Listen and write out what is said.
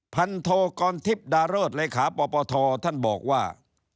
พันธกรทิพย์ดารส์เลขาพปทท่านบอกว่า